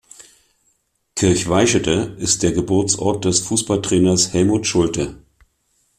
Kirchveischede ist der Geburtsort des Fußballtrainers Helmut Schulte.